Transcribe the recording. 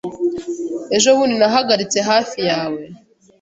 Ejo bundi nahagaritse hafi yawe.